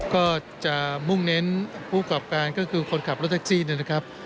ก็จะมุ่งเน้นผู้กรอบการก็คือคนขับรถแท็กซี่เนี่ยนะครับ